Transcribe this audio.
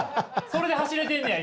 それで走れてんねや？